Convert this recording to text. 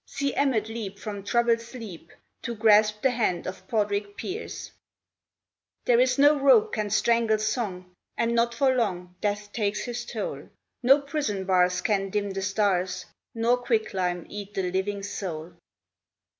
See Emmet leap from troubled sleep To grasp the hand of Padraic Pearse! There is no rope can strangle song And not for long death takes his toll. No prison bars can dim the stars Nor quicklime eat the living soul.